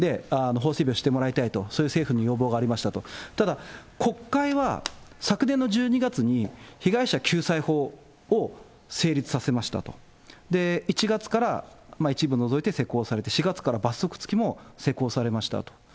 法整備をしてもらいたいと、そういう政府に要望がありましたと、ただ国会は、昨年の１２月に、被害者救済法を成立させましたと、１月から一部除いて施行されて、４月から罰則付きも施行されましたと。